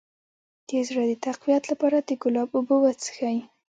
د زړه د تقویت لپاره د ګلاب اوبه وڅښئ